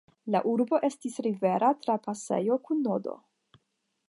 La urbo estis rivera trapasejo kun nodo.